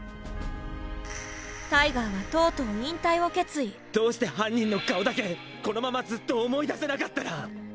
タイガーはとうとうどうして犯人の顔だけこのままずっと思い出せなかったら。